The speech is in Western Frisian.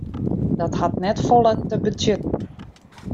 Dat hat net folle te betsjutten.